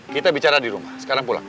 kita bicara di rumah sekarang pulang